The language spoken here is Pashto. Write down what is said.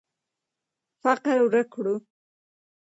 فقر ورک کړو.